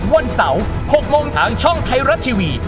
วันเสาร์๖โมงทางช่องไทยรัฐทีวี